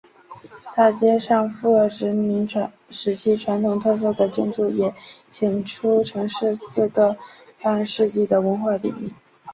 大街上富有殖民时期传统特色的建筑也显现出城市四个半世纪的文化底蕴。